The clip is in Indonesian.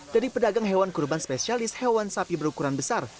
dari pedagang hewan kurban spesialis hewan sapi berukuran besar